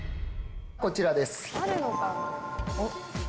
こちらです。